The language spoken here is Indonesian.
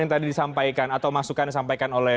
yang tadi disampaikan atau masukan disampaikan oleh